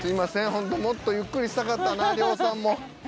ホントもっとゆっくりしたかったなＲＹＯさんも。